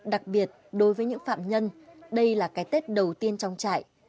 đặc biệt đối với những phạm nhân đây là cái tết đầu tiên trong trại